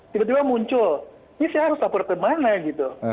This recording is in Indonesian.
tiba tiba muncul ini saya harus lapor ke mana gitu